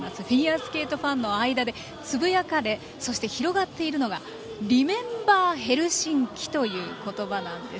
フィギュアスケートファンの間でつぶやかれ、広がっているのはリメンバーヘルシンキという言葉。